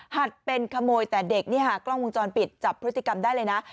หัดเป็นขโมยแต่เด็กนี่ค่ะกล้องวงจรปิดจับพฤติกรรมได้เลยนะ